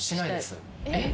えっ？